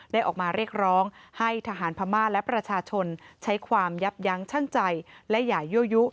ออกมาเรียกร้องให้ทหารพม่าและประชาชนใช้ความยับยั้งชั่งใจและอย่ายั่วยุ